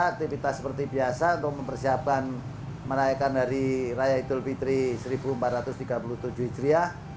aktivitas seperti biasa untuk mempersiapkan merayakan hari raya idul fitri seribu empat ratus tiga puluh tujuh hijriah